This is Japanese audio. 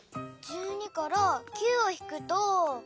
１２から９をひくと。